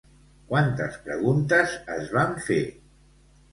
Quantes preguntes es van fer?